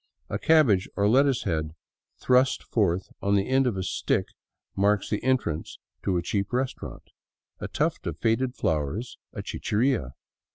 A cabbage or a lettuce head thrust forth on the end of a stick marks the entrance to a cheap restaurant ; a tuft of faded flowers, a chicheria.